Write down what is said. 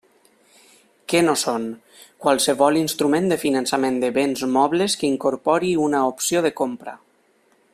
Què no són: qualsevol instrument de finançament de béns mobles que incorpori una opció de compra.